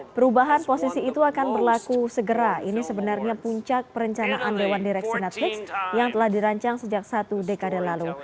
perubahan posisi itu akan berlaku segera ini sebenarnya puncak perencanaan dewan direksi networks yang telah dirancang sejak satu dekade lalu